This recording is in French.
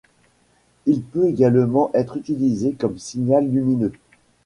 Il peut également être utilisé comme signal lumineux.